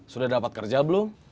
sudah dapat kerja belum